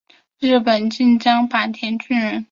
日本近江坂田郡人。